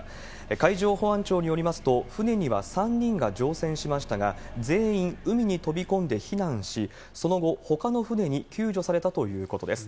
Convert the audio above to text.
海上保安庁によりますと、船には３人が乗船しましたが、全員、海に飛び込んで避難し、その後、ほかの船に救助されたということです。